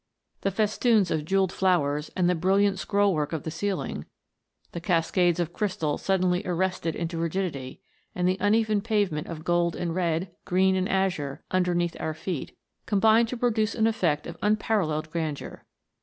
The festoons of jewelled flowers, and the brilliant scroll work of the ceiling ; the cascades of crystal suddenly arrested into rigidity, and the uneven pavement of gold and red, green and azure, under neath our feet, combine to produce an effect of un paralleled grandeur.